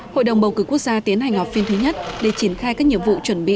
hội đồng bầu cử quốc gia tiến hành họp phiên thứ nhất để triển khai các nhiệm vụ chuẩn bị